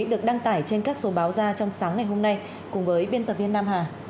được đăng tải trên các số báo ra trong sáng ngày hôm nay cùng với biên tập viên nam hà